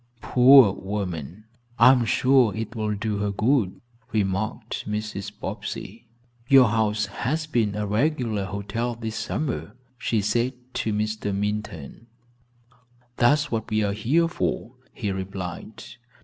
"Poor woman, I am sure it will do her good," remarked Mrs. Bobbsey. "Your house has been a regular hotel this summer," she said to Mr. Minturn. "That's what we are here for," he replied.